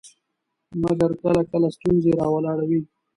مګر کله کله ستونزې راولاړوي.